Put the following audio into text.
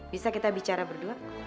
bisa kita bicara berdua